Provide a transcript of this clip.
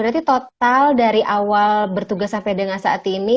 berarti total dari awal bertugas sampai dengan saat ini